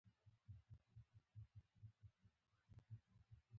د مذاکرې او تشویق وړتیاوې